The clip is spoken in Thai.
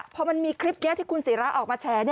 พอมันมีคลิปนี้ที่คุณศิราออกมาแฉ